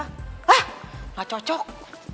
hah gak cocok